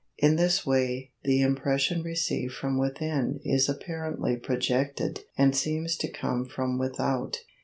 In this way the impression received from within is apparently projected and seems to come from without.